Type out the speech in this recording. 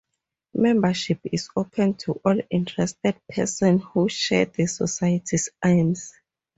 Membership is open to all interested persons who share the Society's aims.